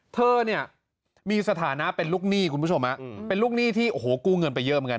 เธอเนี่ยมีสถานะเป็นลูกหนี้คุณผู้ชมฮะเป็นลูกหนี้ที่โอ้โหกู้เงินไปเยอะเหมือนกัน